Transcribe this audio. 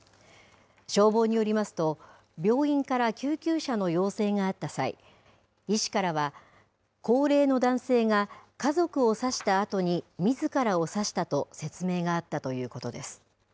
消防によりますと、病院から救急車の要請があった際、医師からは、高齢の男性が家族を刺したあとにみずからを刺したと説明があったということです。